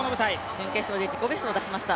準決勝で自己ベストをだしました。